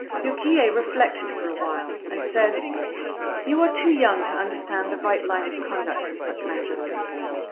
Yukryé reflected for a while, and said "You are too young to understand the right line of conduct in such matters.